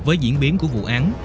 với diễn biến của vụ án